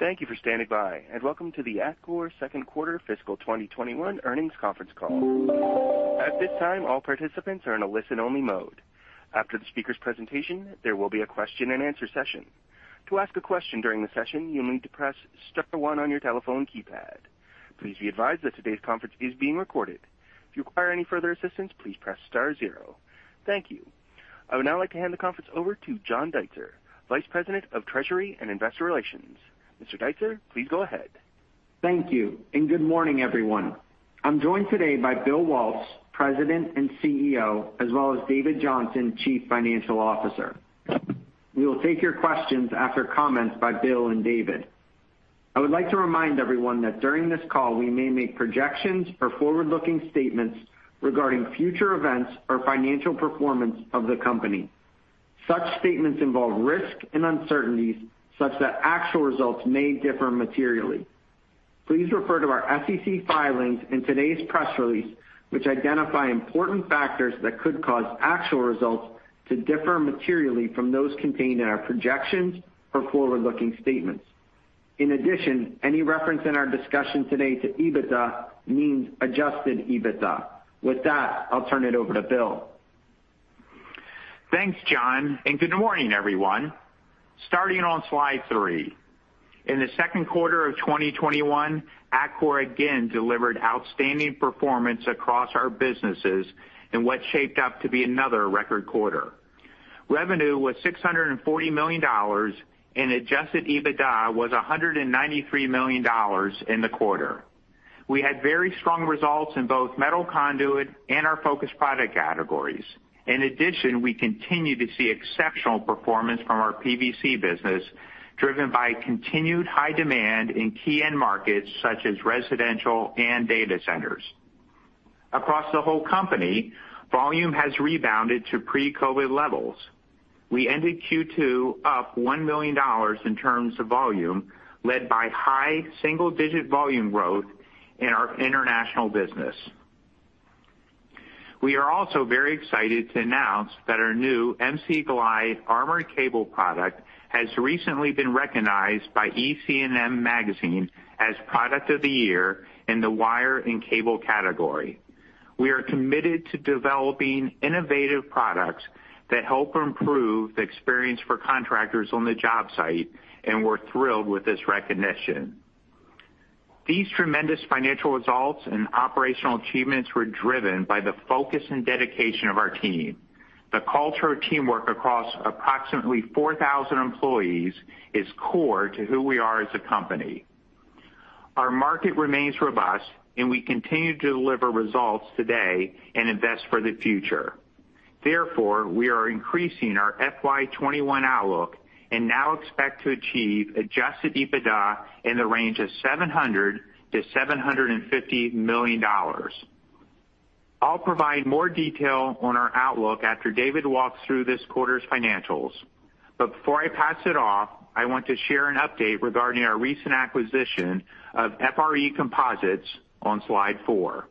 Thank you for standing by, and welcome to the Atkore second quarter fiscal 2021 earnings conference call. At this time, all participants are in a listen only mode. After the speaker's presentation, there will be a question and answer session. To ask a question during the session, you'll need to press star one on your telephone keypad. Please be advised that today's conference is being recorded. If you require any further assistance, please press star zero. Thank you. I would now like to hand the conference over to John Deitzer, Vice President of Treasury and Investor Relations. Mr. Deitzer, please go ahead. Thank you, and good morning, everyone. I'm joined today by Bill Waltz, President and CEO, as well as David Johnson, Chief Financial Officer. We will take your questions after comments by Bill and David. I would like to remind everyone that during this call, we may make projections or forward-looking statements regarding future events or financial performance of the company. Such statements involve risk and uncertainties such that actual results may differ materially. Please refer to our SEC filings and today's press release, which identify important factors that could cause actual results to differ materially from those contained in our projections or forward-looking statements. In addition, any reference in our discussion today to EBITDA means Adjusted EBITDA. With that, I'll turn it over to Bill. Thanks, John, and good morning, everyone. Starting on slide three. In the second quarter of 2021, Atkore again delivered outstanding performance across our businesses in what shaped up to be another record quarter. Revenue was $640 million, and Adjusted EBITDA was $193 million in the quarter. We had very strong results in both metal conduit and our focused product categories. In addition, we continue to see exceptional performance from our PVC business, driven by continued high demand in key end markets such as residential and data centers. Across the whole company, volume has rebounded to pre-COVID levels. We ended Q2 up $1 million in terms of volume, led by high single-digit volume growth in our international business. We are also very excited to announce that our new MC Glide armored cable product has recently been recognized by EC&M Magazine as product of the year in the wire and cable category. We are committed to developing innovative products that help improve the experience for contractors on the job site. We're thrilled with this recognition. These tremendous financial results and operational achievements were driven by the focus and dedication of our team. The culture of teamwork across approximately 4,000 employees is core to who we are as a company. Our market remains robust. We continue to deliver results today and invest for the future. We are increasing our FY 2021 outlook and now expect to achieve Adjusted EBITDA in the range of $700 million-$750 million. I'll provide more detail on our outlook after David walks through this quarter's financials. Before I pass it off, I want to share an update regarding our recent acquisition of FRE Composites on slide four.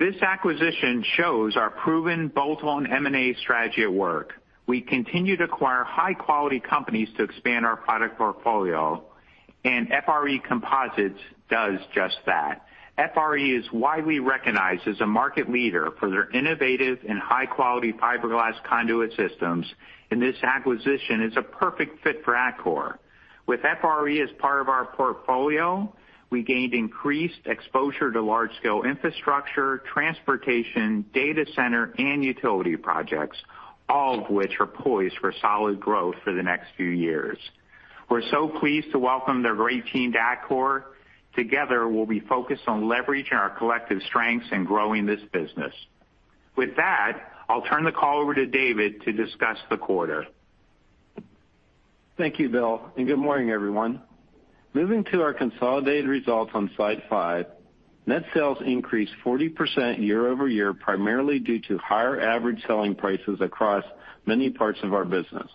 This acquisition shows our proven build-on M&A strategy at work. We continue to acquire high-quality companies to expand our product portfolio, and FRE Composites does just that. FRE is widely recognized as a market leader for their innovative and high-quality fiberglass conduit systems, and this acquisition is a perfect fit for Atkore. With FRE as part of our portfolio, we gained increased exposure to large-scale infrastructure, transportation, data center, and utility projects, all of which are poised for solid growth for the next few years. We're so pleased to welcome their great team to Atkore. Together, we'll be focused on leveraging our collective strengths and growing this business. With that, I'll turn the call over to David to discuss the quarter. Thank you, Bill, and good morning, everyone. Moving to our consolidated results on slide five. Net sales increased 40% year-over-year, primarily due to higher average selling prices across many parts of our business.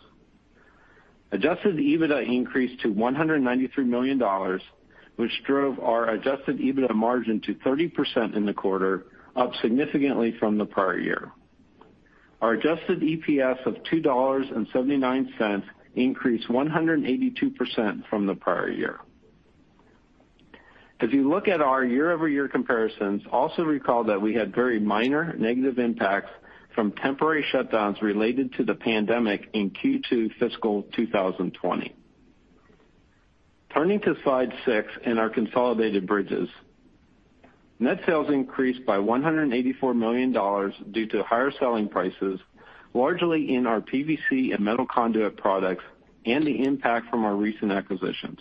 Adjusted EBITDA increased to $193 million, which drove our Adjusted EBITDA margin to 30% in the quarter, up significantly from the prior year. Our adjusted EPS of $2.79 increased 182% from the prior year. If you look at our year-over-year comparisons, also recall that we had very minor negative impacts from temporary shutdowns related to the pandemic in Q2 fiscal 2020. Turning to slide six and our consolidated bridges. Net sales increased by $184 million due to higher selling prices, largely in our PVC and metal conduit products and the impact from our recent acquisitions.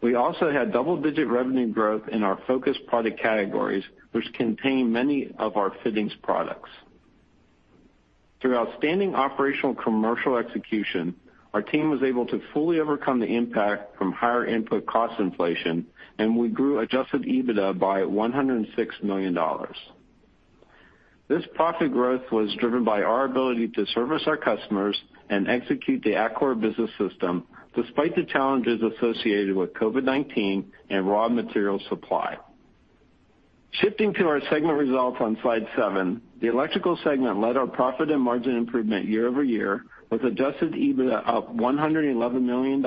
We also had double-digit revenue growth in our focused product categories, which contain many of our fittings products. Through outstanding operational commercial execution, our team was able to fully overcome the impact from higher input cost inflation. We grew Adjusted EBITDA by $106 million. This profit growth was driven by our ability to service our customers and execute the Atkore Business System despite the challenges associated with COVID-19 and raw material supply. Shifting to our segment results on slide seven, the electrical segment led our profit and margin improvement year-over-year, with Adjusted EBITDA up $111 million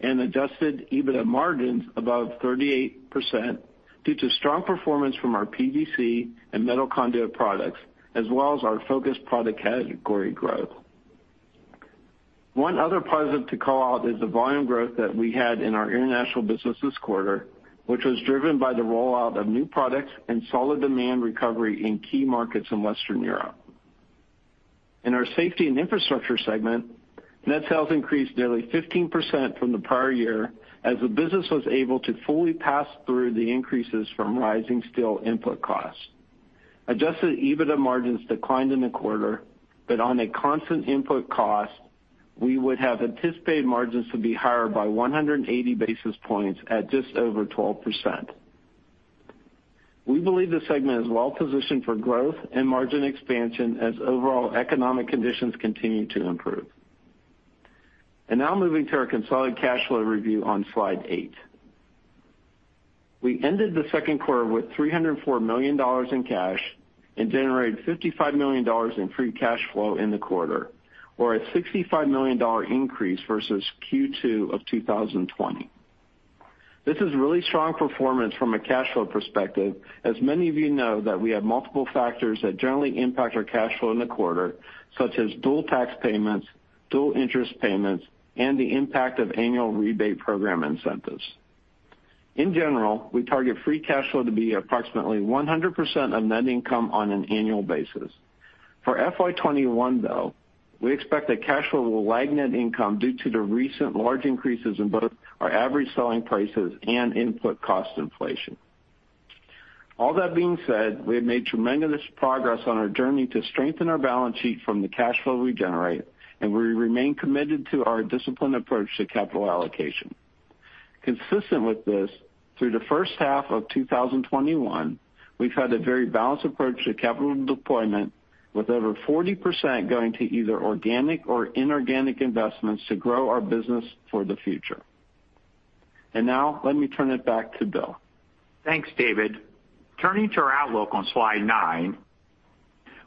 and Adjusted EBITDA margins above 38%, due to strong performance from our PVC and metal conduit products, as well as our focused product category growth. One other positive to call out is the volume growth that we had in our international business this quarter, which was driven by the rollout of new products and solid demand recovery in key markets in Western Europe. In our safety and infrastructure segment, net sales increased nearly 15% from the prior year, as the business was able to fully pass through the increases from rising steel input costs. Adjusted EBITDA margins declined in the quarter, but on a constant input cost, we would have anticipated margins to be higher by 180 basis points at just over 12%. We believe the segment is well-positioned for growth and margin expansion as overall economic conditions continue to improve. Now moving to our consolidated cash flow review on slide eight. We ended the second quarter with $304 million in cash and generated $55 million in free cash flow in the quarter, or a $65 million increase versus Q2 of 2020. This is really strong performance from a cash flow perspective, as many of you know that we have multiple factors that generally impact our cash flow in the quarter, such as dual tax payments, dual interest payments, and the impact of annual rebate program incentives. In general, we target free cash flow to be approximately 100% of net income on an annual basis. For FY 2021, though, we expect that cash flow will lag net income due to the recent large increases in both our average selling prices and input cost inflation. All that being said, we have made tremendous progress on our journey to strengthen our balance sheet from the cash flow we generate, and we remain committed to our disciplined approach to capital allocation. Consistent with this, through the first half of 2021, we've had a very balanced approach to capital deployment, with over 40% going to either organic or inorganic investments to grow our business for the future. Now let me turn it back to Bill. Thanks, David. Turning to our outlook on slide nine,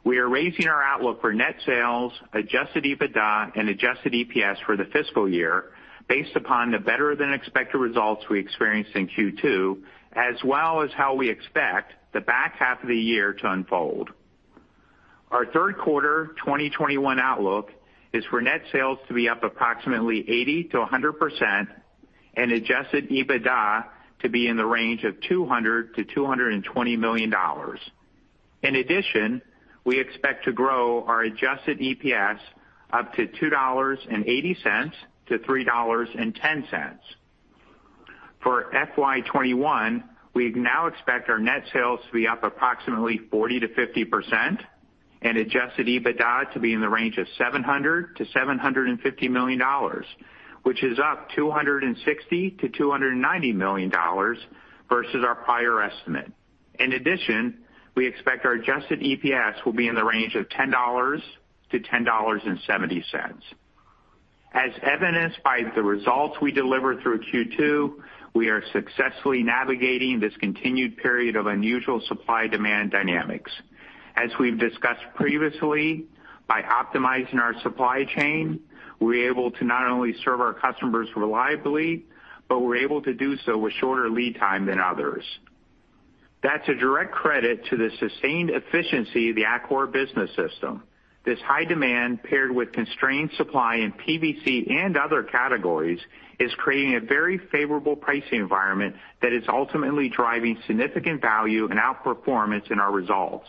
we are raising our outlook for net sales, Adjusted EBITDA, and adjusted EPS for the fiscal year based upon the better-than-expected results we experienced in Q2, as well as how we expect the back half of the year to unfold. Our third quarter 2021 outlook is for net sales to be up approximately 80%-100% and Adjusted EBITDA to be in the range of $200 million-$220 million. In addition, we expect to grow our adjusted EPS up to $2.80-$3.10. For FY 2021, we now expect our net sales to be up approximately 40%-50% and Adjusted EBITDA to be in the range of $700 million-$750 million, which is up $260 million-$290 million versus our prior estimate. In addition, we expect our adjusted EPS will be in the range of $10-$10.70. As evidenced by the results we delivered through Q2, we are successfully navigating this continued period of unusual supply-demand dynamics. As we've discussed previously, by optimizing our supply chain, we're able to not only serve our customers reliably, but we're able to do so with shorter lead time than others. That's a direct credit to the sustained efficiency of the Atkore Business System. This high demand, paired with constrained supply in PVC and other categories, is creating a very favorable pricing environment that is ultimately driving significant value and outperformance in our results.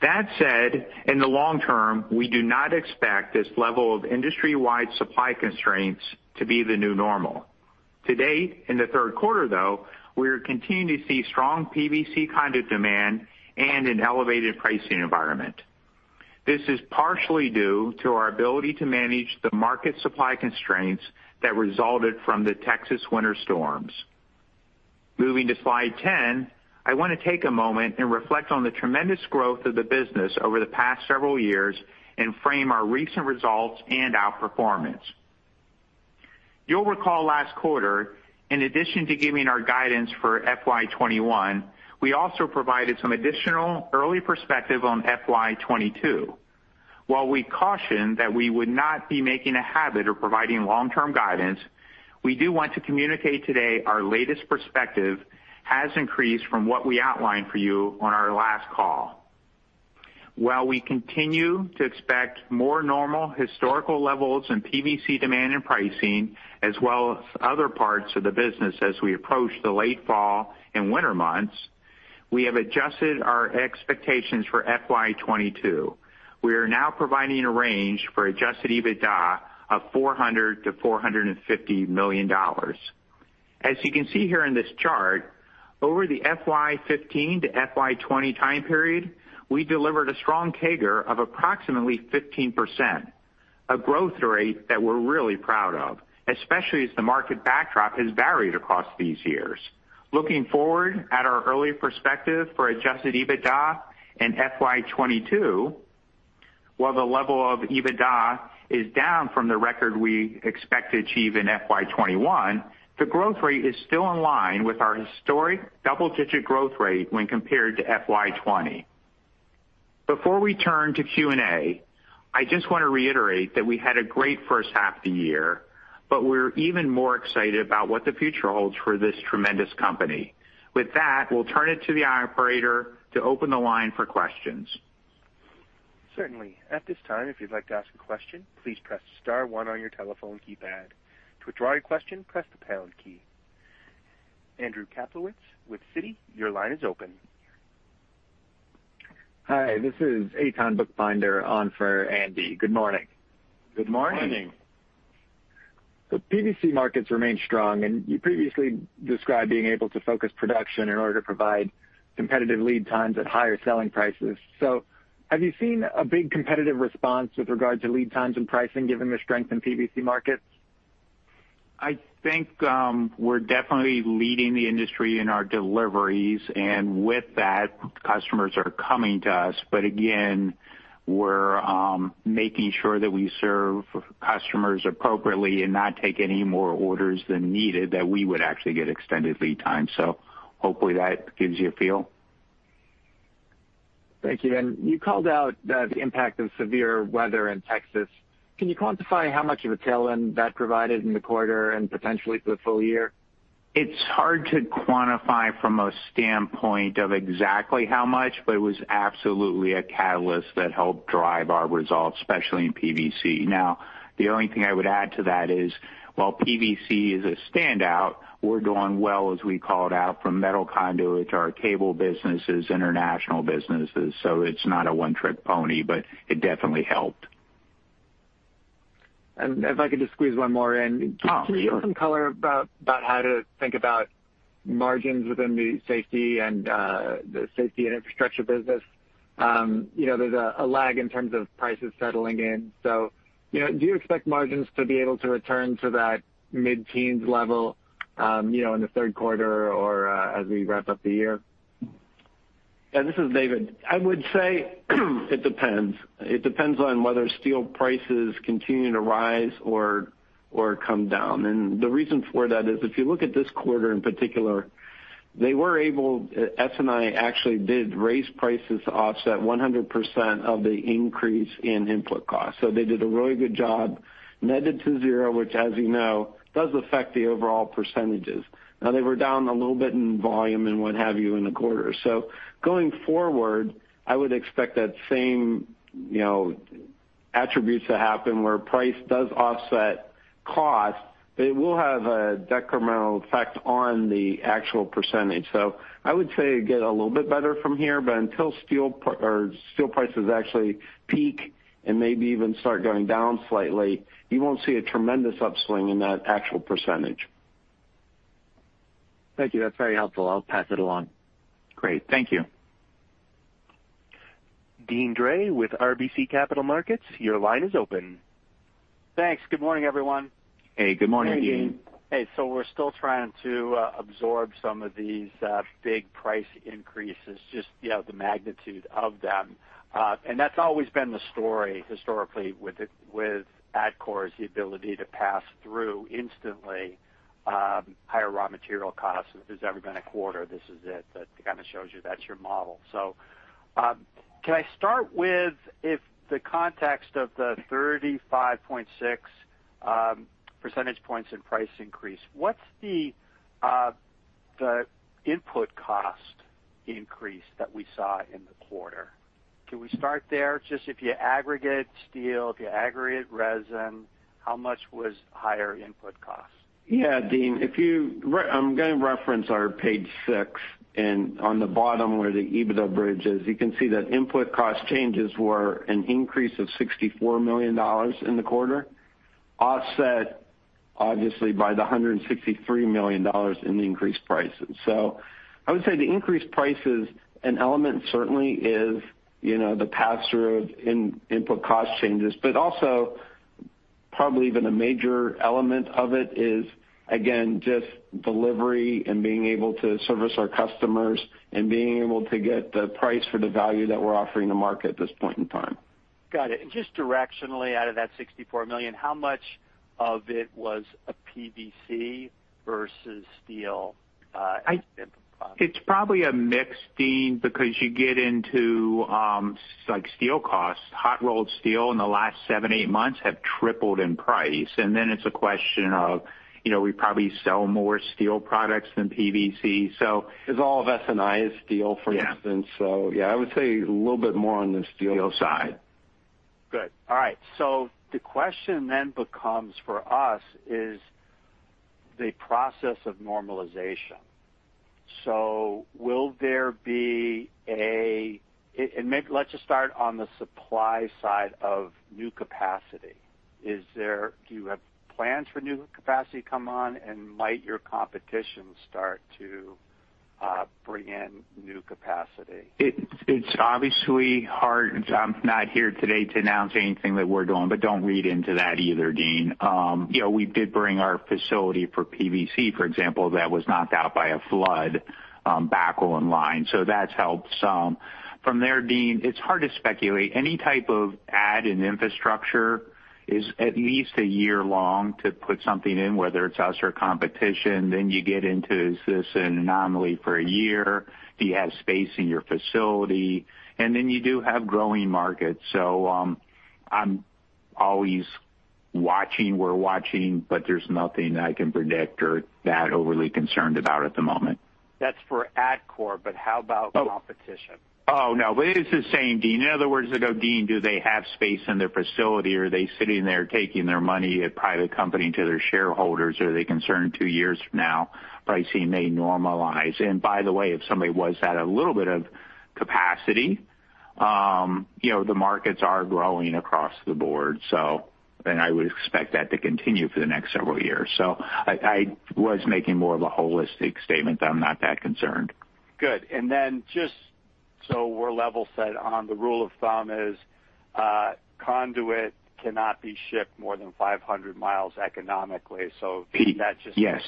That said, in the long term, we do not expect this level of industry-wide supply constraints to be the new normal. To date, in the third quarter, though, we are continuing to see strong PVC conduit demand and an elevated pricing environment. This is partially due to our ability to manage the market supply constraints that resulted from the Texas winter storms. Moving to slide 10, I want to take a moment and reflect on the tremendous growth of the business over the past several years and frame our recent results and outperformance. You'll recall last quarter, in addition to giving our guidance for FY 2021, we also provided some additional early perspective on FY 2022. While we cautioned that we would not be making a habit of providing long-term guidance, we do want to communicate today our latest perspective has increased from what we outlined for you on our last call. While we continue to expect more normal historical levels in PVC demand and pricing, as well as other parts of the business as we approach the late fall and winter months, we have adjusted our expectations for FY 2022. We are now providing a range for Adjusted EBITDA of $400 million-$450 million. As you can see here in this chart, over the FY 2015 to FY 2020 time period, we delivered a strong CAGR of approximately 15%, a growth rate that we're really proud of, especially as the market backdrop has varied across these years. Looking forward at our early perspective for Adjusted EBITDA in FY 2022. While the level of EBITDA is down from the record we expect to achieve in FY 2021, the growth rate is still in line with our historic double-digit growth rate when compared to FY 2020. Before we turn to Q&A, I just want to reiterate that we had a great first half of the year, but we're even more excited about what the future holds for this tremendous company. With that, we'll turn it to the operator to open the line for questions. Certainly. At this time, if you'd like to ask a question, please press star one on your telephone keypad. To withdraw your question, press the pound key. Andrew Kaplowitz with Citi, your line is open. Hi, this is Eitan Buchbinder on for Andy. Good morning. Good morning. The PVC markets remain strong, you previously described being able to focus production in order to provide competitive lead times at higher selling prices. Have you seen a big competitive response with regard to lead times and pricing given the strength in PVC markets? I think we're definitely leading the industry in our deliveries, and with that, customers are coming to us. Again, we're making sure that we serve customers appropriately and not take any more orders than needed, that we would actually get extended lead time. Hopefully that gives you a feel. Thank you. You called out the impact of severe weather in Texas. Can you quantify how much of a tailwind that provided in the quarter and potentially for the full year? It's hard to quantify from a standpoint of exactly how much, but it was absolutely a catalyst that helped drive our results, especially in PVC. The only thing I would add to that is, while PVC is a standout, we're doing well as we called out from metal conduit to our cable businesses, international businesses. It's not a one-trick pony, but it definitely helped. If I could just squeeze one more in. Oh, sure. Can you give some color about how to think about margins within the Safety and Infrastructure business? There's a lag in terms of prices settling in. Do you expect margins to be able to return to that mid-teens level in the third quarter or as we wrap up the year? Yeah, this is David. I would say it depends. It depends on whether steel prices continue to rise or come down. The reason for that is, if you look at this quarter in particular, S&I actually did raise prices to offset 100% of the increase in input costs. They did a really good job, netted to zero, which, as you know, does affect the overall percentages. Now they were down a little bit in volume and what have you in the quarter. Going forward, I would expect that same attributes to happen where price does offset cost, but it will have a decremental effect on the actual percentage. I would say get a little bit better from here, but until steel prices actually peak and maybe even start going down slightly, you won't see a tremendous upswing in that actual percentage. Thank you. That's very helpful. I'll pass it along. Great. Thank you. Deane Dray with RBC Capital Markets, your line is open. Thanks. Good morning, everyone. Hey, good morning, Deane. Hey, Deane. Hey. We're still trying to absorb some of these big price increases, just the magnitude of them. That's always been the story historically with Atkore's ability to pass through instantly higher raw material costs. If there's ever been a quarter, this is it. That kind of shows you that's your model. Can I start with if the context of the 35.6 percentage points in price increase, what's the input cost increase that we saw in the quarter? Can we start there? Just if you aggregate steel, if you aggregate resin, how much was higher input cost? Yeah, Deane. I'm gonna reference our page six, and on the bottom where the EBITDA bridge is, you can see that input cost changes were an increase of $64 million in the quarter, offset obviously by the $163 million in the increased prices. I would say the increased price is an element certainly is the pass-through of input cost changes, but also probably even a major element of it is, again, just delivery and being able to service our customers and being able to get the price for the value that we're offering the market at this point in time. Got it. Just directionally, out of that $64 million, how much of it was a PVC versus steel input cost? It's probably a mix, Deane, because you get into steel costs. Hot-rolled steel in the last seven, eight months have tripled in price. Then it's a question of, we probably sell more steel products than PVC. All of S&I is steel, for instance. Yeah. Yeah, I would say a little bit more on the steel side. Good. All right. The question then becomes for us is the process of normalization. Will there be? Maybe let's just start on the supply side of new capacity. Do you have plans for new capacity come on, and might your competition start to bring in new capacity. It's obviously hard. I'm not here today to announce anything that we're doing. Don't read into that either, Deane. We did bring our facility for PVC, for example, that was knocked out by a flood, back online. That's helped some. From there, Deane, it's hard to speculate. Any type of add in infrastructure is at least a year long to put something in, whether it's us or competition. You get into, is this an anomaly for a year? Do you have space in your facility? You do have growing markets. I'm always watching, we're watching. There's nothing I can predict or that overly concerned about at the moment. That's for Atkore, but how about competition? Oh, no, it is the same, Deane. In other words, I go, "Deane, do they have space in their facility? Are they sitting there taking their money at private company to their shareholders? Are they concerned two years from now, pricing may normalize?" By the way, if somebody was at a little bit of capacity, the markets are growing across the board, I would expect that to continue for the next several years. I was making more of a holistic statement that I'm not that concerned. Good. Just so we're level set on the rule of thumb is, conduit cannot be shipped more than 500 mi economically. Yes.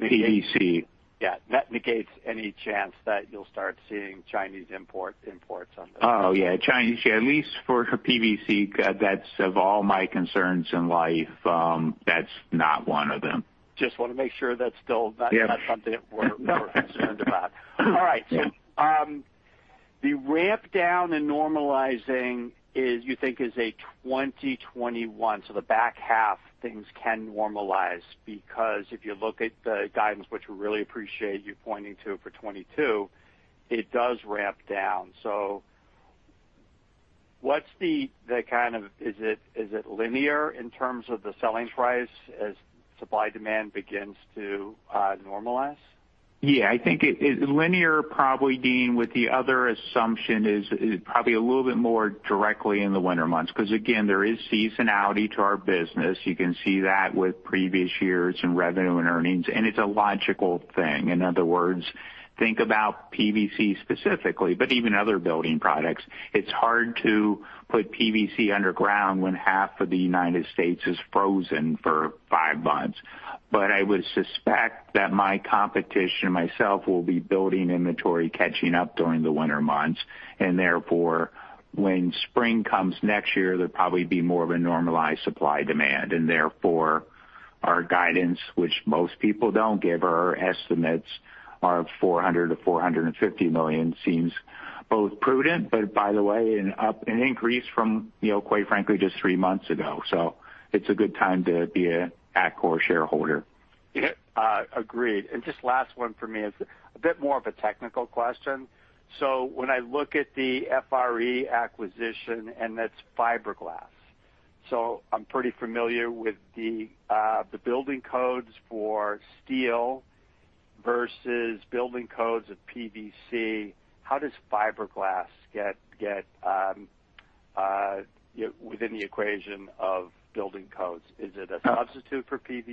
PVC Yeah. That negates any chance that you'll start seeing Chinese imports on this. Oh, yeah. Chinese, at least for PVC, that's of all my concerns in life, that's not one of them. Just want to make sure that's still not something we're concerned about. All right. The ramp down and normalizing, you think is a 2021, so the back half things can normalize because if you look at the guidance, which we really appreciate you pointing to for 2022, it does ramp down. Is it linear in terms of the selling price as supply-demand begins to normalize? Yeah, I think it is linear probably, Deane, with the other assumption is probably a little bit more directly in the winter months because, again, there is seasonality to our business. You can see that with previous years in revenue and earnings, and it's a logical thing. In other words, think about PVC specifically, but even other building products. It's hard to put PVC underground when half of the U.S. is frozen for five months. I would suspect that my competition and myself will be building inventory catching up during the winter months, and therefore when spring comes next year, there'd probably be more of a normalized supply-demand, and therefore our guidance, which most people don't give, our estimates are $400 million-$450 million seems both prudent, but by the way, an increase from quite frankly, just three months ago. It's a good time to be an Atkore shareholder. Yep. Agreed. Just last one for me is a bit more of a technical question. When I look at the FRE acquisition, and that's fiberglass. I'm pretty familiar with the building codes for steel versus building codes of PVC. How does fiberglass get within the equation of building codes? Is it a substitute for PVC,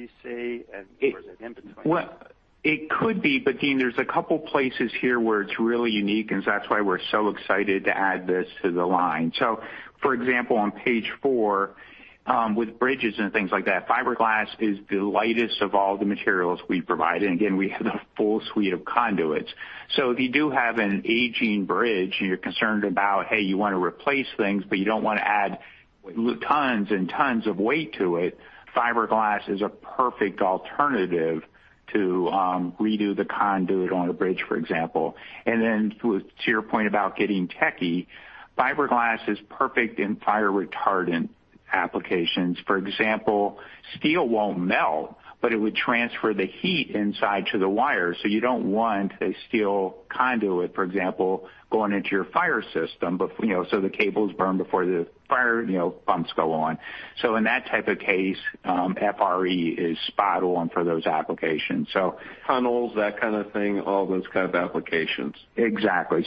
and or is it in between? Well, it could be, but Deane, there's a couple places here where it's really unique, that's why we're so excited to add this to the line. For example, on page four, with bridges and things like that, fiberglass is the lightest of all the materials we provide. Again, we have the full suite of conduits. If you do have an aging bridge and you're concerned about, hey, you want to replace things, you don't want to add tons and tons of weight to it, fiberglass is a perfect alternative to redo the conduit on a bridge, for example. To your point about getting techie, fiberglass is perfect in fire retardant applications. For example, steel won't melt, it would transfer the heat inside to the wire. You don't want a steel conduit, for example, going into your fire system, so the cables burn before the fire pumps go on. In that type of case, FRE is spot on for those applications. Tunnels, that kind of thing, all those kind of applications. Exactly.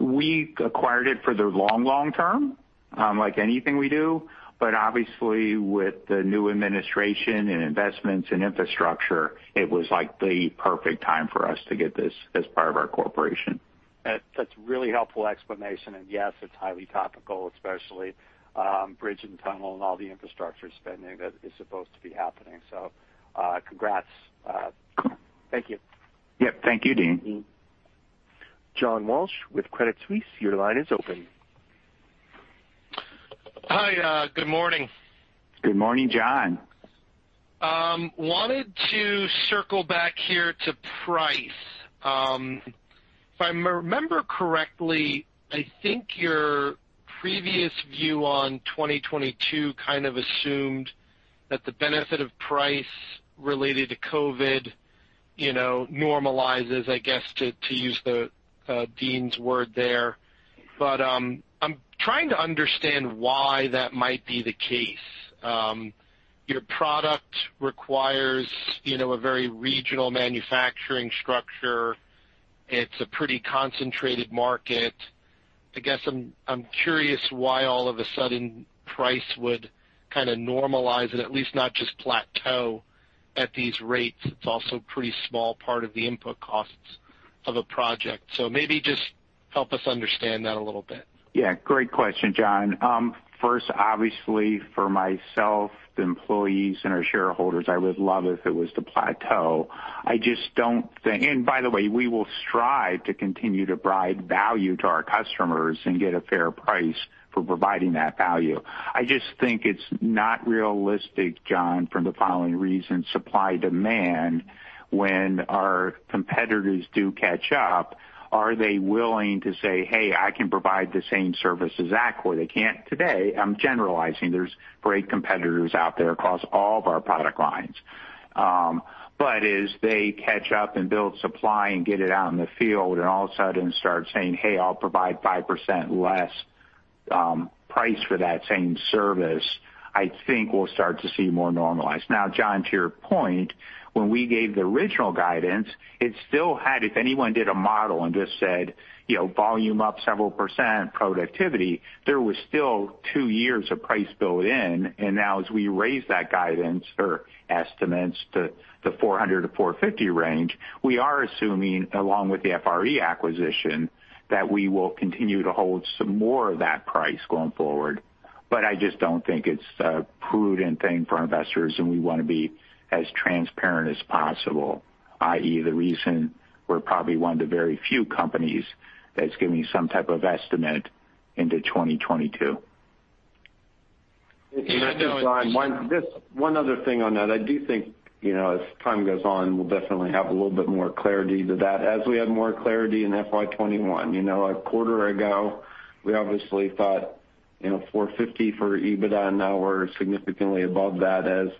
We acquired it for the long term, like anything we do, but obviously with the new administration and investments in infrastructure, it was like the perfect time for us to get this as part of our corporation. That's really helpful explanation. Yes, it's highly topical, especially bridge and tunnel and all the infrastructure spending that is supposed to be happening. Congrats. Thank you. Yep. Thank you, Deane. John Walsh with Credit Suisse, your line is open. Hi. Good morning. Good morning, John. Wanted to circle back here to price. If I remember correctly, I think your previous view on 2022 kind of assumed that the benefit of price related to COVID-19 normalizes, I guess, to use Deane's word there. I'm trying to understand why that might be the case. Your product requires a very regional manufacturing structure. It's a pretty concentrated market. I guess I'm curious why all of a sudden price would kind of normalize and at least not just plateau at these rates. It's also a pretty small part of the input costs of a project. Maybe just help us understand that a little bit. Yeah, great question, John. First, obviously, for myself, the employees, and our shareholders, I would love if it was to plateau. By the way, we will strive to continue to provide value to our customers and get a fair price for providing that value. I just think it's not realistic, John, for the following reason, supply-demand. When our competitors do catch up, are they willing to say, "Hey, I can provide the same service as Atkore?" They can't today. I'm generalizing. There's great competitors out there across all of our product lines. As they catch up and build supply and get it out in the field, and all of a sudden start saying, "Hey, I'll provide 5% less price for that same service," I think we'll start to see more normalize. John, to your point, when we gave the original guidance, if anyone did a model and just said, "Volume up several %, productivity," there was still two years of price built in. As we raise that guidance or estimates to the $400-$450 range, we are assuming, along with the FRE acquisition, that we will continue to hold some more of that price going forward. I just don't think it's a prudent thing for investors, and we want to be as transparent as possible, i.e., the reason we're probably one of the very few companies that's giving some type of estimate into 2022. I know it- Just one other thing on that. I do think, as time goes on, we'll definitely have a little bit more clarity to that, as we have more clarity in FY 2021. A quarter ago, we obviously thought $450 for EBITDA, now we're significantly above that as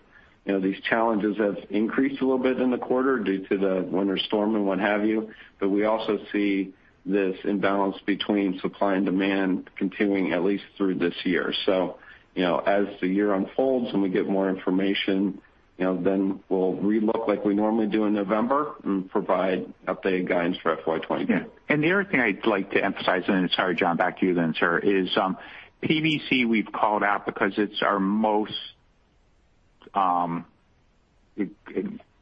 these challenges have increased a little bit in the quarter due to the winter storm and what have you. We also see this imbalance between supply and demand continuing at least through this year. As the year unfolds and we get more information, we'll re-look like we normally do in November and provide updated guidance for FY 2022. The other thing I'd like to emphasize, and then sorry, John, back to you then, sir, is PVC we've called out because it's our most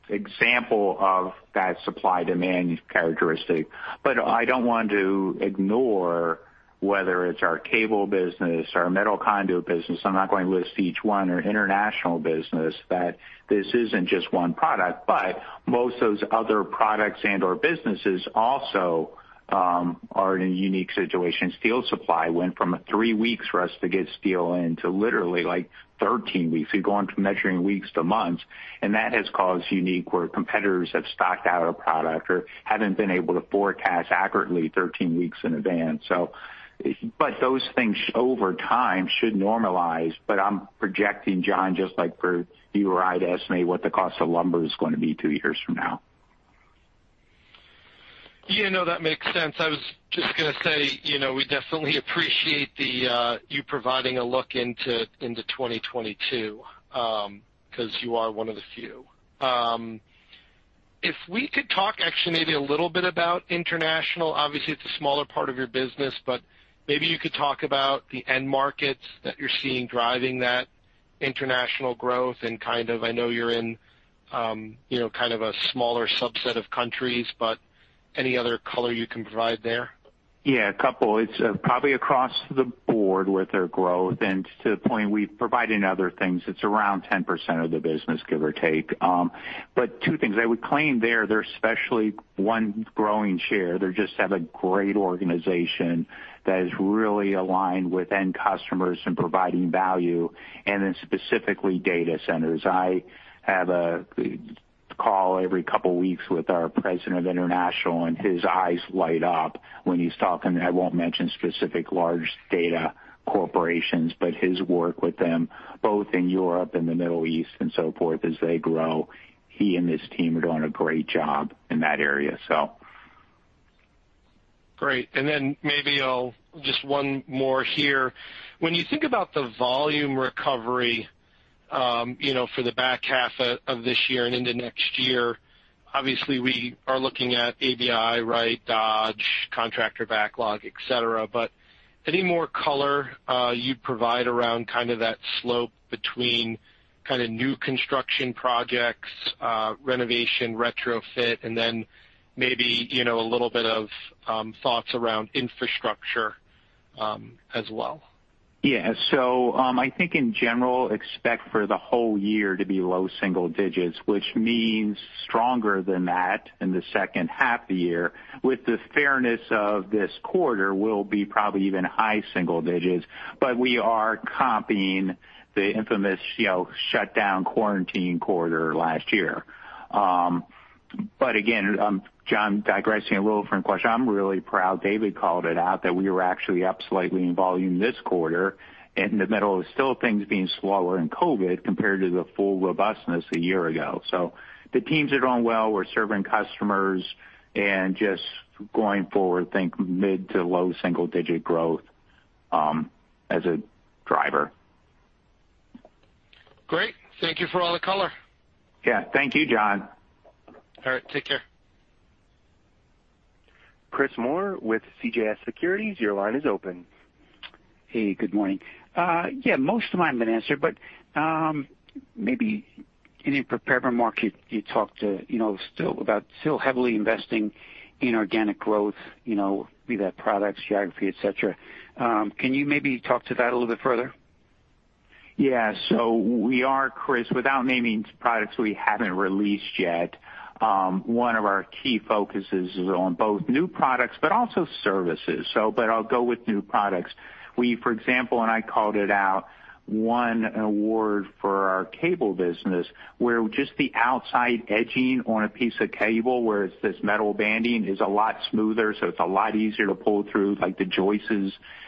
example of that supply-demand characteristic. I don't want to ignore whether it's our cable business, our metal conduit business, I'm not going to list each one, or international business, that this isn't just one product. Most of those other products and/or businesses also are in a unique situation. Steel supply went from three weeks for us to get steel in to literally 13 weeks. We've gone from measuring weeks to months, that has caused unique where competitors have stocked out a product or haven't been able to forecast accurately 13 weeks in advance. Those things over time should normalize. I'm projecting, John, just like for you or I to estimate what the cost of lumber is going to be two years from now. Yeah, no, that makes sense. I was just going to say, we definitely appreciate you providing a look into 2022, because you are one of the few. If we could talk actually maybe a little bit about international. Obviously, it's a smaller part of your business, but maybe you could talk about the end markets that you're seeing driving that international growth and kind of, I know you're in a smaller subset of countries, but any other color you can provide there? Yeah, a couple. It's probably across the board with their growth. To the point we've provided in other things, it's around 10% of the business, give or take. Two things. I would claim there, they're especially one growing share. They just have a great organization that is really aligned with end customers and providing value, and then specifically data centers. I have a call every couple weeks with our President of International, and his eyes light up when he's talking. I won't mention specific large data corporations, but his work with them both in Europe and the Middle East and so forth as they grow, he and his team are doing a great job in that area. Great. Then maybe I'll just one more here. When you think about the volume recovery for the back half of this year and into next year, obviously we are looking at ABI, right? Dodge, contractor backlog, etc. Any more color you'd provide around that slope between new construction projects, renovation, retrofit, and then maybe a little bit of thoughts around infrastructure as well? Yeah. I think in general, expect for the whole year to be low single digits, which means stronger than that in the second half of the year, with the fairness of this quarter will be probably even high single digits. We are copying the infamous shutdown quarantine quarter last year. Again, John, digressing a little from the question, I'm really proud David called it out that we were actually up slightly in volume this quarter in the middle of still things being slower in COVID compared to the full robustness a year ago. The teams are doing well. We're serving customers and just going forward, think mid to low single-digit growth as a driver. Great. Thank you for all the color. Yeah. Thank you, John. All right. Take care. Chris Moore with CJS Securities, your line is open. Hey, good morning. Yeah, most of mine have been answered, but maybe in your prepared remarks, you talked about still heavily investing in organic growth, be that products, geography, etc. Can you maybe talk to that a little bit further? Yeah. We are, Chris, without naming products we haven't released yet, one of our key focuses is on both new products but also services. I'll go with new products. We, for example, and I called it out, won an award for our cable business, where just the outside edging on a piece of cable, where it's this metal banding, is a lot smoother, so it's a lot easier to pull through the joists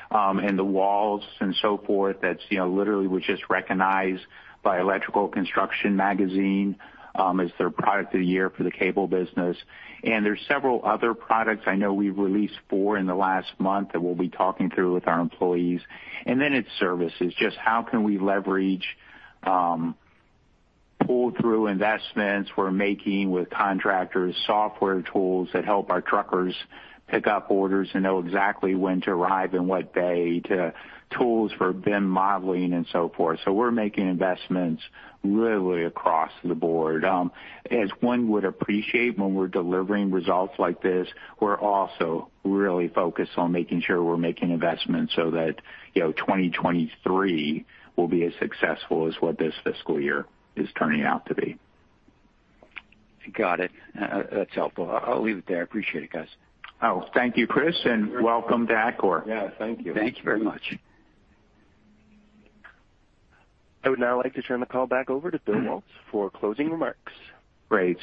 and the walls and so forth. That literally was just recognized by Electrical Construction Magazine as their Product of the Year for the cable business. There's several other products. I know we've released four in the last month that we'll be talking through with our employees. Then it's services, just how can we leverage pull-through investments we're making with contractors, software tools that help our truckers pick up orders and know exactly when to arrive in what bay, to tools for BIM modeling and so forth. We're making investments really across the board. As one would appreciate when we're delivering results like this, we're also really focused on making sure we're making investments so that 2023 will be as successful as what this fiscal year is turning out to be. Got it. That's helpful. I'll leave it there. I appreciate it, guys. Oh, thank you, Chris, and welcome to Atkore. Yeah, thank you. Thank you very much. I would now like to turn the call back over to Bill Waltz for closing remarks. Great.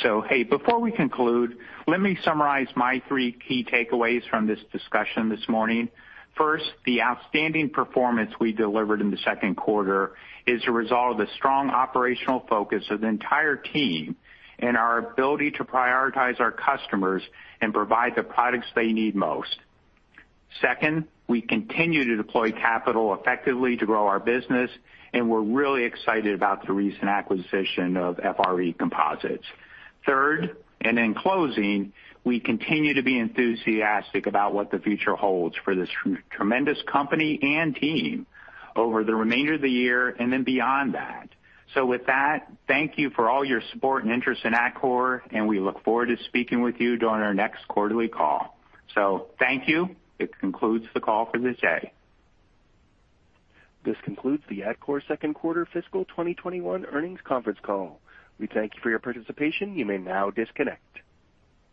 Before we conclude, let me summarize my three key takeaways from this discussion this morning. First, the outstanding performance we delivered in the second quarter is a result of the strong operational focus of the entire team and our ability to prioritize our customers and provide the products they need most. Second, we continue to deploy capital effectively to grow our business, and we're really excited about the recent acquisition of FRE Composites. Third, in closing, we continue to be enthusiastic about what the future holds for this tremendous company and team over the remainder of the year and then beyond that. With that, thank you for all your support and interest in Atkore, and we look forward to speaking with you during our next quarterly call. Thank you. It concludes the call for this day. This concludes the Atkore second quarter fiscal 2021 earnings conference call. We thank you for your participation. You may now disconnect.